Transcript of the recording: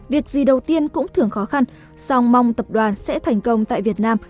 việc gì đầu tiên cũng thường khó khăn song mong tập đoàn sẽ thành công tại việt nam